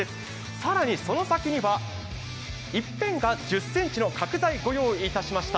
更にその先には一辺が１０ｃｍの角材をご用意しました。